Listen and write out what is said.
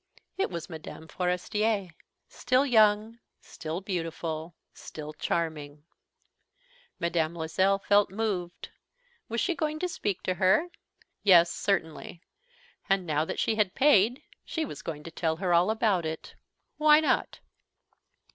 It was Mme. Forestier, still young, still beautiful, still charming. Mme. Loisel felt moved. Was she going to speak to her? Yes, certainly. And now that she had paid, she was going to tell her all about it. Why not?